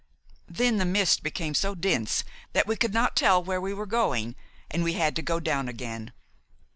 Then the mist became so dense that we could not tell where we were going, and we had to go down again.